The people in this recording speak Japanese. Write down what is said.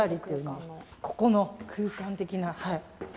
ここの空間的な？